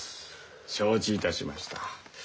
承知いたしました。